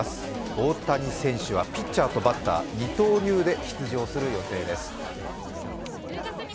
大谷選手はピッチャーとバッター二刀流で出場する予定です。